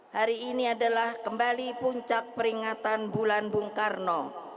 hari ini adalah kembali puncak peringatan bulan bung karno